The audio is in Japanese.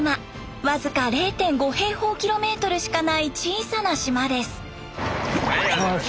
僅か０．５平方キロメートルしかない小さな島です。